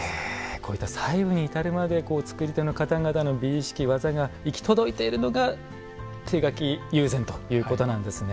こういった細部に至るまでつくり手の方々の美意識技が行き届いているのが手描き友禅ということなんですね。